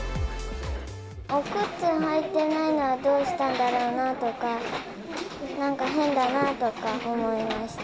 お靴はいてないのはどうしたんだろうなとか、なんか変だなとか思いました。